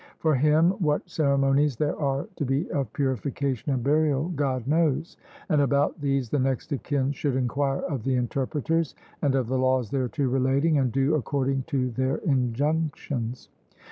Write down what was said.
For him, what ceremonies there are to be of purification and burial God knows, and about these the next of kin should enquire of the interpreters and of the laws thereto relating, and do according to their injunctions.